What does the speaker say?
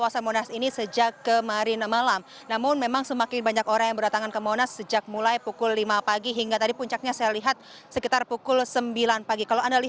selamat siang fani